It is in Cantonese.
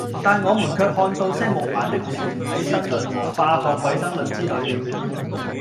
但我們卻看到些木版的《全體新論》和《化學衛生論》之類了。